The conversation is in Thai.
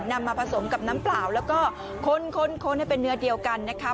นำมาผสมกับน้ำเปล่าแล้วก็ค้นให้เป็นเนื้อเดียวกันนะคะ